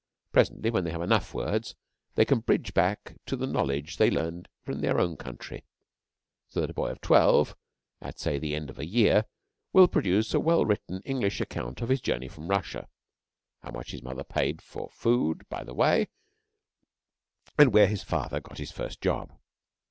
Presently when they have enough words they can bridge back to the knowledge they learned in their own country, so that a boy of twelve, at, say, the end of a year, will produce a well written English account of his journey from Russia, how much his mother paid for food by the way, and where his father got his first job.